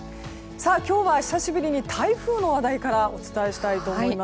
今日は久々に台風の話題からお伝えしたいと思います。